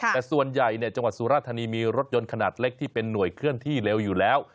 แต่ส่วนใหญ่จังหวัดสุราธานีมีรถยนต์ขนาดเล็กที่เป็นห่วยเคลื่อนที่เร็วอยู่แล้ว